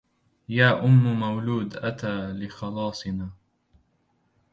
يا أم مولود أتى لخلاصنا